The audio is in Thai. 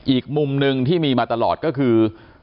อีกมุมหนึ่งที่มีมาตลอดก็คือ